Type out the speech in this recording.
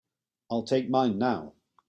I'll take mine now.